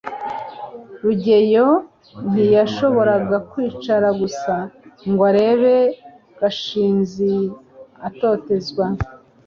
rugeyo ntiyashoboraga kwicara gusa ngo arebe gashinzi atotezwa